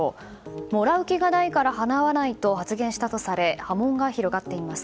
もらう気がないから払わないと発言したとされ波紋が広がっています。